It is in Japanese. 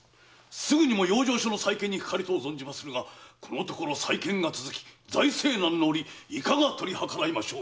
すぐにも養生所の再建にかかりとう存じまするがこのところ再建が続き財政難のおりいかがとりはからいましょう？